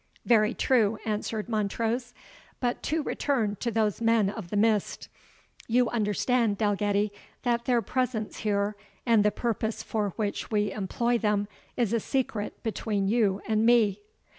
"Very true," answered Montrose; "but to return to those men of the Mist. You understand, Dalgetty, that their presence here, and the purpose for which we employ them, is a secret between you and me?"